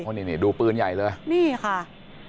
นี่ดูปืนใหญ่เลยนี่ค่ะ